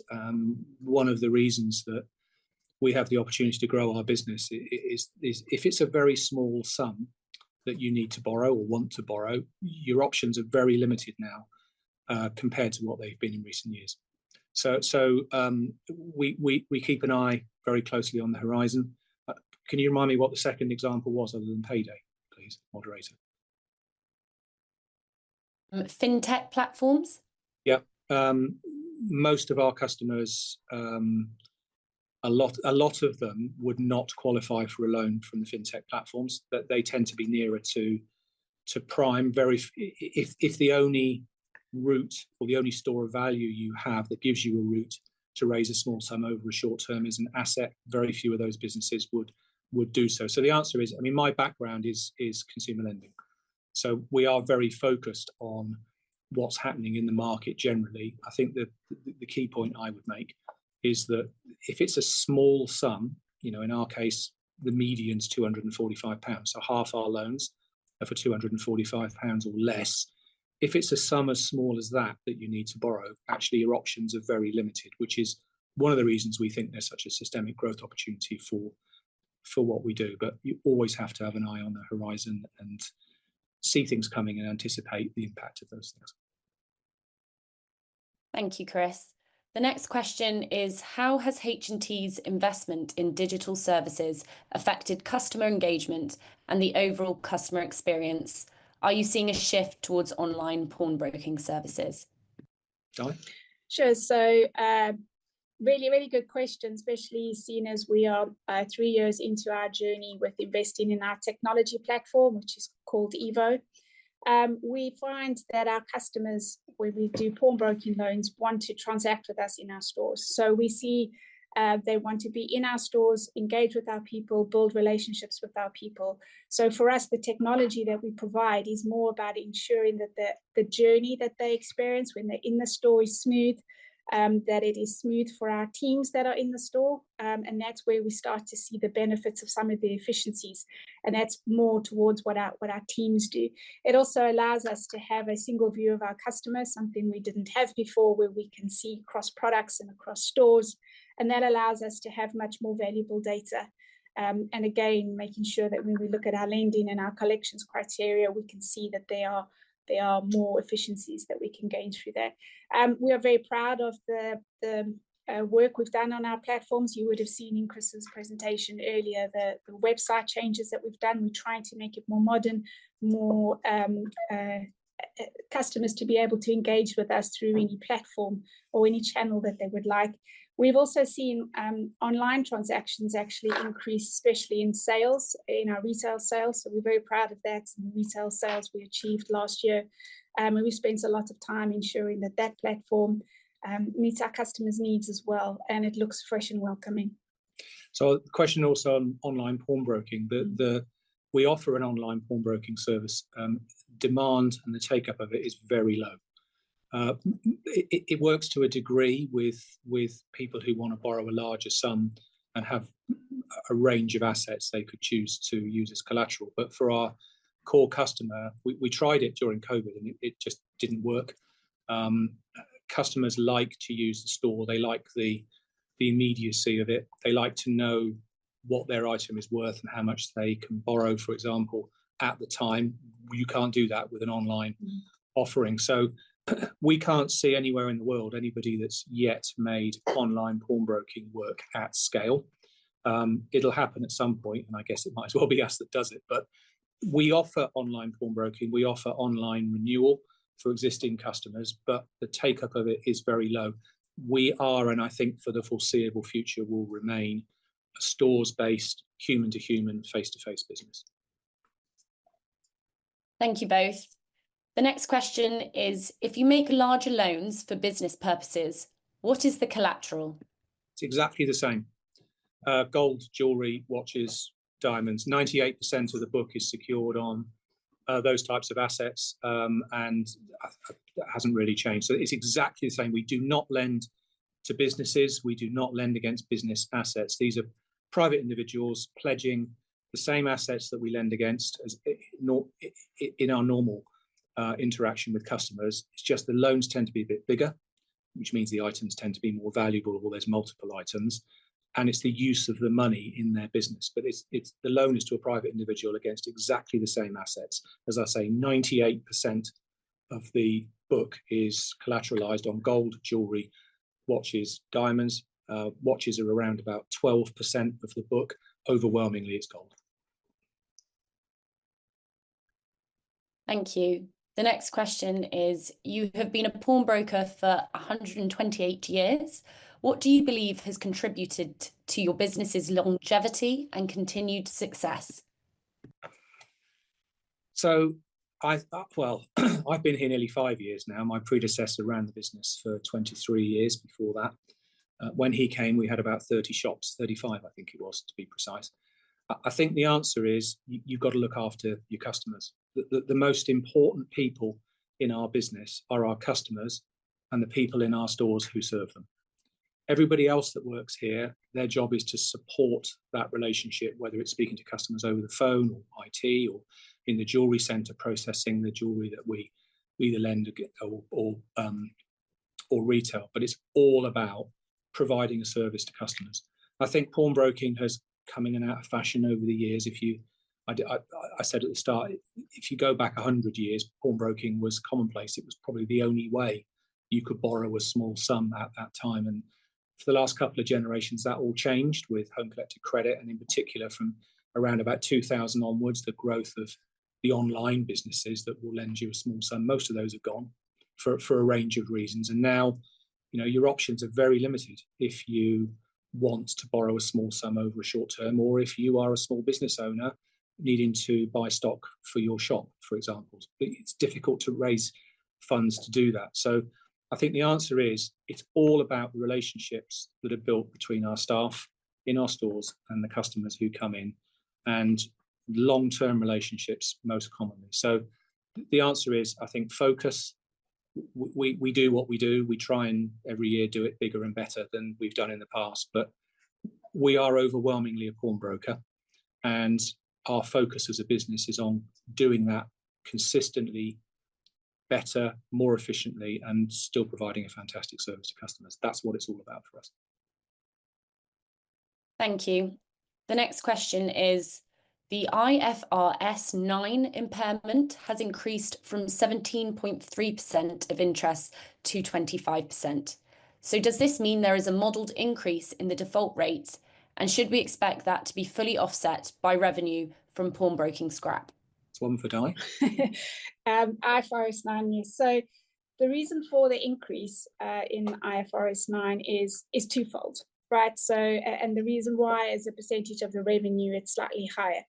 One of the reasons that we have the opportunity to grow our business is if it is a very small sum that you need to borrow or want to borrow, your options are very limited now compared to what they have been in recent years. We keep an eye very closely on the horizon. Can you remind me what the second example was other than payday, please, moderator?
Fintech platforms?
Yes. Most of our customers, a lot of them would not qualify for a loan from the fintech platforms. They tend to be nearer to prime. If the only route or the only store of value you have that gives you a route to raise a small sum over a short term is an asset, very few of those businesses would do so. The answer is, I mean, my background is consumer lending. We are very focused on what's happening in the market generally. I think the key point I would make is that if it's a small sum, in our case, the median is 245 pounds. Half our loans are for 245 pounds or less. If it's a sum as small as that that you need to borrow, actually your options are very limited, which is one of the reasons we think there's such a systemic growth opportunity for what we do. You always have to have an eye on the horizon and see things coming and anticipate the impact of those things.
Thank you, Chris. The next question is, how has H&T's investment in digital services affected customer engagement and the overall customer experience? Are you seeing a shift towards online pawnbroking services?
Diane?
Sure. Really, really good question, especially seeing as we are three years into our journey with investing in our technology platform, which is called Evo. We find that our customers, when we do pawnbroking loans, want to transact with us in our stores. We see they want to be in our stores, engage with our people, build relationships with our people. For us, the technology that we provide is more about ensuring that the journey that they experience when they're in the store is smooth, that it is smooth for our teams that are in the store. That is where we start to see the benefits of some of the efficiencies. That is more towards what our teams do. It also allows us to have a single view of our customers, something we did not have before, where we can see across products and across stores. That allows us to have much more valuable data. Again, making sure that when we look at our lending and our collections criteria, we can see that there are more efficiencies that we can gain through that. We are very proud of the work we have done on our platforms. You would have seen in Chris's presentation earlier the website changes that we have done. We are trying to make it more modern, for more customers to be able to engage with us through any platform or any channel that they would like. We have also seen online transactions actually increase, especially in sales, in our retail sales. We're very proud of that retail sales we achieved last year. We spent a lot of time ensuring that that platform meets our customers' needs as well. It looks fresh and welcoming.
The question also on online pawnbroking, we offer an online pawnbroking service. Demand and the take-up of it is very low. It works to a degree with people who want to borrow a larger sum and have a range of assets they could choose to use as collateral. For our core customer, we tried it during COVID, and it just didn't work. Customers like to use the store. They like the immediacy of it. They like to know what their item is worth and how much they can borrow, for example, at the time. You can't do that with an online offering. We can't see anywhere in the world anybody that's yet made online pawnbroking work at scale. It'll happen at some point, and I guess it might as well be us that does it. We offer online pawnbroking. We offer online renewal for existing customers, but the take-up of it is very low. We are, and I think for the foreseeable future, will remain a stores-based, human-to-human, face-to-face business.
Thank you both. The next question is, if you make larger loans for business purposes, what is the collateral?
It's exactly the same. Gold, jewelry, watches, diamonds. 98% of the book is secured on those types of assets, and it hasn't really changed. It's exactly the same. We do not lend to businesses. We do not lend against business assets. These are private individuals pledging the same assets that we lend against in our normal interaction with customers. It's just the loans tend to be a bit bigger, which means the items tend to be more valuable, or there's multiple items. It's the use of the money in their business. The loan is to a private individual against exactly the same assets. As I say, 98% of the book is collateralized on gold, jewelry, watches, diamonds. Watches are around about 12% of the book. Overwhelmingly, it's gold. Thank you. The next question is, you have been a pawnbroker for 128 years. What do you believe has contributed to your business's longevity and continued success? I've been here nearly five years now. My predecessor ran the business for 23 years before that. When he came, we had about 30 shops, 35, I think it was, to be precise. I think the answer is you've got to look after your customers. The most important people in our business are our customers and the people in our stores who serve them. Everybody else that works here, their job is to support that relationship, whether it's speaking to customers over the phone or IT or in the Jewellery Centre processing the jewelry that we either lend or retail. It's all about providing a service to customers. I think pawnbroking has come in and out of fashion over the years. I said at the start, if you go back 100 years, pawnbroking was commonplace. It was probably the only way you could borrow a small sum at that time. For the last couple of generations, that all changed with home collected credit, and in particular, from around about 2000 onwards, the growth of the online businesses that will lend you a small sum. Most of those have gone for a range of reasons. Now your options are very limited if you want to borrow a small sum over a short term, or if you are a small business owner needing to buy stock for your shop, for example. It's difficult to raise funds to do that. I think the answer is it's all about the relationships that are built between our staff in our stores and the customers who come in and long-term relationships most commonly. The answer is, I think, focus. We do what we do. We try and every year do it bigger and better than we've done in the past. We are overwhelmingly a pawnbroker. Our focus as a business is on doing that consistently better, more efficiently, and still providing a fantastic service to customers. That's what it's all about for us.
Thank you. The next question is, the IFRS 9 impairment has increased from 17.3% of interest to 25%. Does this mean there is a modelled increase in the default rates? Should we expect that to be fully offset by revenue from pawnbroking scrap?
It's one for Diane.
IFRS 9. The reason for the increase in IFRS 9 is twofold. The reason why is the percentage of the revenue, it's slightly higher.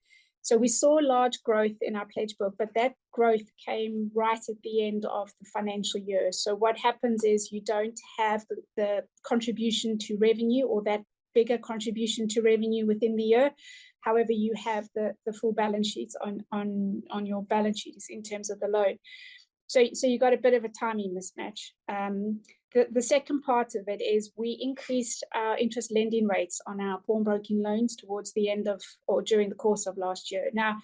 We saw large growth in our pledge book, but that growth came right at the end of the financial year. What happens is you do not have the contribution to revenue or that bigger contribution to revenue within the year. However, you have the full balance sheets on your balance sheets in terms of the loan. You have a bit of a timing mismatch. The second part of it is we increased our interest lending rates on our pawnbroking loans towards the end of or during the course of last year. Now,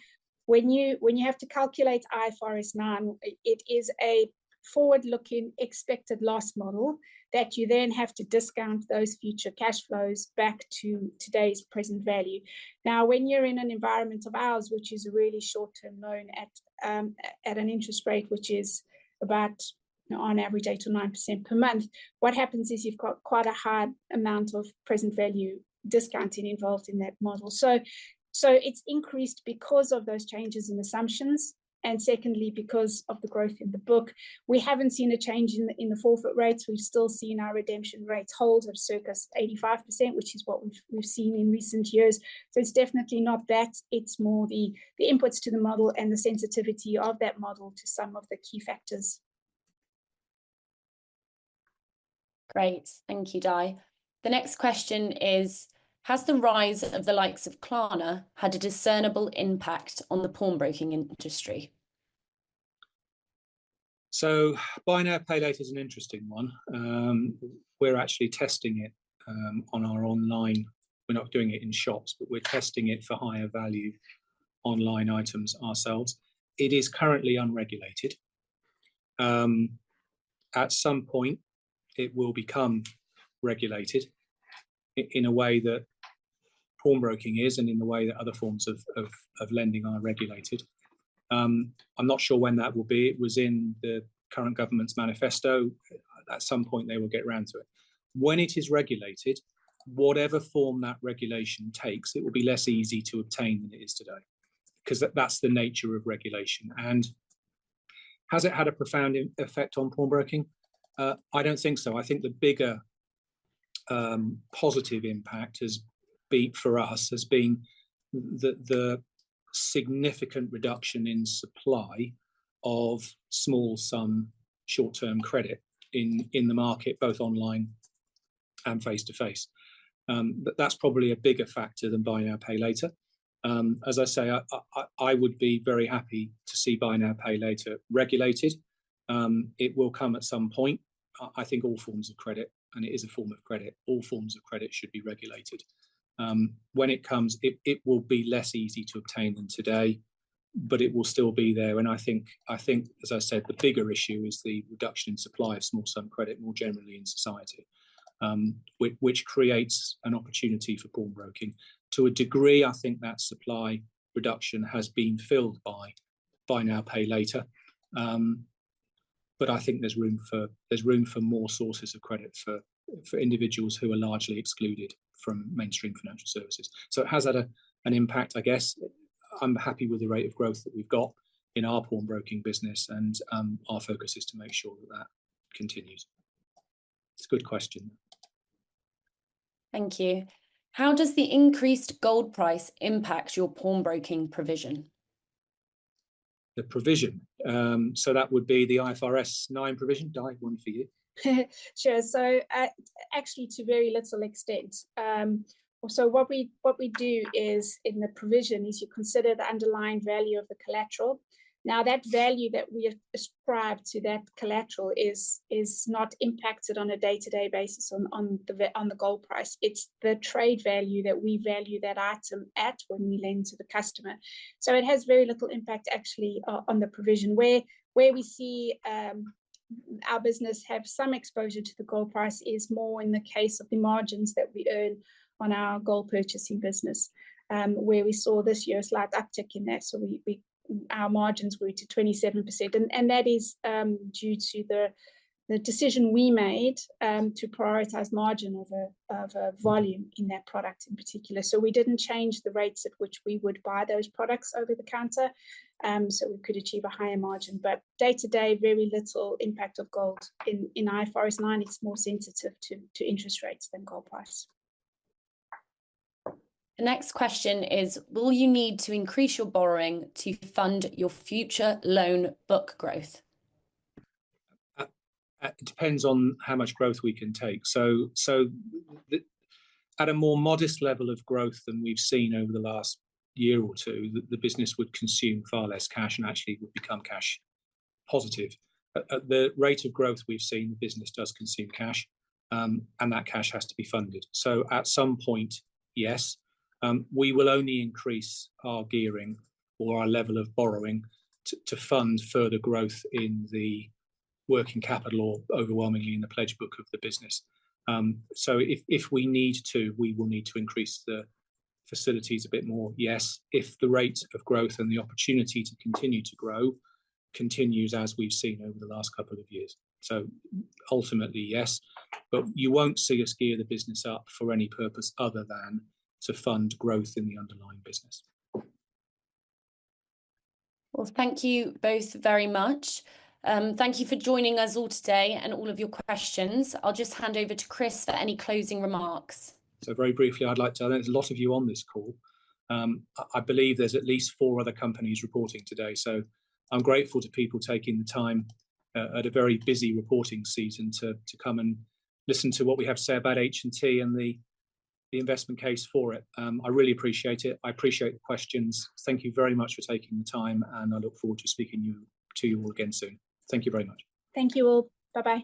when you have to calculate IFRS 9, it is a forward-looking expected loss model that you then have to discount those future cash flows back to today's present value. Now, when you're in an environment of ours, which is a really short-term loan at an interest rate which is about on average 8%-9% per month, what happens is you've got quite a high amount of present value discounting involved in that model. It has increased because of those changes in assumptions. Secondly, because of the growth in the book. We haven't seen a change in the forfeit rates. We've still seen our redemption rates hold at a surplus of 85%, which is what we've seen in recent years. It is definitely not that. It is more the inputs to the model and the sensitivity of that model to some of the key factors.
Great. Thank you, Di. The next question is, has the rise of the likes of Klarna had a discernible impact on the pawnbroking industry?
Buy Now Pay Later is an interesting one. We are actually testing it on our online. We are not doing it in shops, but we are testing it for higher value online items ourselves. It is currently unregulated. At some point, it will become regulated in a way that pawnbroking is and in the way that other forms of lending are regulated. I am not sure when that will be. It was in the current government's manifesto. At some point, they will get around to it. When it is regulated, whatever form that regulation takes, it will be less easy to obtain than it is today because that is the nature of regulation. Has it had a profound effect on pawnbroking? I do not think so. I think the bigger positive impact for us has been the significant reduction in supply of small-sum short-term credit in the market, both online and face-to-face. That is probably a bigger factor than Buy Now Pay Later. I would be very happy to see Buy Now Pay Later regulated. It will come at some point. I think all forms of credit, and it is a form of credit, all forms of credit should be regulated. When it comes, it will be less easy to obtain than today, but it will still be there. I think, as I said, the bigger issue is the reduction in supply of small-sum credit more generally in society, which creates an opportunity for pawnbroking. To a degree, I think that supply reduction has been filled by Buy Now Pay Later. I think there's room for more sources of credit for individuals who are largely excluded from mainstream financial services. It has had an impact, I guess. I'm happy with the rate of growth that we've got in our pawnbroking business, and our focus is to make sure that that continues. It's a good question.
Thank you. How does the increased gold price impact your pawnbroking provision?
The provision. That would be the IFRS 9 provision. Di, one for you.
Sure. Actually, to a very little extent. What we do is in the provision is you consider the underlying value of the collateral. Now, that value that we ascribe to that collateral is not impacted on a day-to-day basis on the gold price. It is the trade value that we value that item at when we lend to the customer. It has very little impact, actually, on the provision. Where we see our business have some exposure to the gold price is more in the case of the margins that we earn on our gold purchasing business, where we saw this year a slight uptick in that. Our margins grew to 27%. That is due to the decision we made to prioritize margin over volume in that product in particular. We did not change the rates at which we would buy those products over the counter so we could achieve a higher margin. Day-to-day, very little impact of gold in IFRS 9. It's more sensitive to interest rates than gold price.
The next question is, will you need to increase your borrowing to fund your future loan book growth?
It depends on how much growth we can take. At a more modest level of growth than we've seen over the last year or two, the business would consume far less cash and actually would become cash positive. At the rate of growth we've seen, the business does consume cash, and that cash has to be funded. At some point, yes. We will only increase our gearing or our level of borrowing to fund further growth in the working capital or overwhelmingly in the pledge book of the business. If we need to, we will need to increase the facilities a bit more, yes, if the rate of growth and the opportunity to continue to grow continues as we've seen over the last couple of years. Ultimately, yes. You will not see us gear the business up for any purpose other than to fund growth in the underlying business.
Thank you both very much. Thank you for joining us all today and all of your questions. I'll just hand over to Chris for any closing remarks.
Very briefly, I'd like to thank a lot of you on this call. I believe there are at least four other companies reporting today. I'm grateful to people taking the time at a very busy reporting season to come and listen to what we have to say about H&T and the investment case for it. I really appreciate it. I appreciate the questions. Thank you very much for taking the time, and I look forward to speaking to you all again soon. Thank you very much.
Thank you all. Bye-bye.